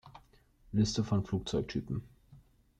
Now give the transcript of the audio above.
Liste von Flugzeugtypen